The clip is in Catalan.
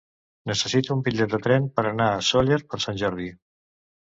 Necessito un bitllet de tren per anar a Sóller per Sant Jordi.